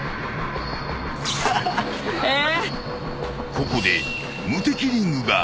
［ここで］